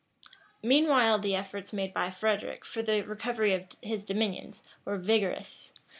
Meanwhile the efforts made by Frederic for the recovery of his dominions, were vigorous.